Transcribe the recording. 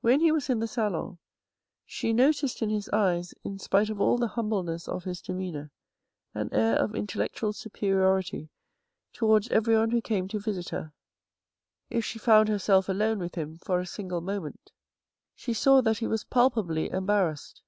When he was in the salon, she noticed in his eyes, in spite of all the humbleness of his demeanour, an air of intellectual superiority towards everyone who came to visit her. If she found herself alone with him for a single moment, she saw that he was palpably embarrassed.